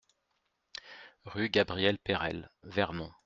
Rue Gabriel Perelle, Vernon